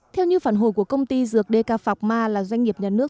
theo như phản hồi của công ty dược dk phạc ma là doanh nghiệp nhà nước